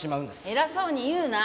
偉そうに言うな。